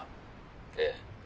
「ええ」